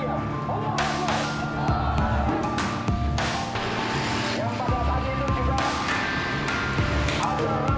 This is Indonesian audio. yang pertama tadi ini juga